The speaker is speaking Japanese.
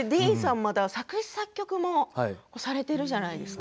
また作詞・作曲もされているじゃないですか。